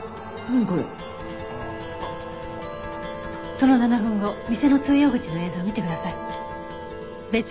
その７分後店の通用口の映像を見てください。